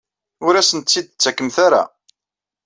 Ur asent-tt-id-tettakemt ara?